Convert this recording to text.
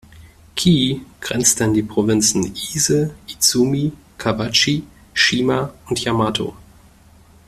Kii grenzte an die Provinzen Ise, Izumi, Kawachi, Shima und Yamato.